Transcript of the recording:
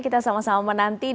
kita sama sama menantang